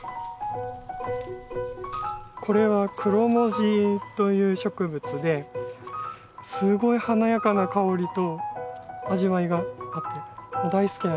これはクロモジという植物ですごい華やかな香りと味わいがあって大好きなんですよね。